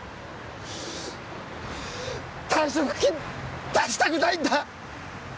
退職金出したくないんだ！